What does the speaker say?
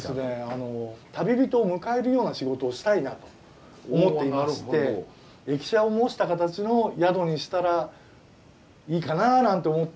旅人を迎えるような仕事をしたいなと思っていまして駅舎を模した形の宿にしたらいいかななんて思って。